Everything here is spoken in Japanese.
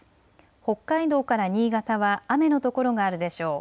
北海道から新潟は雨の所があるでしょう。